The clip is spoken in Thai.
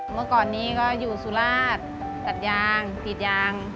เมื่อก่อนนี้ก็อยู่สุราชตัดยางกรีดยาง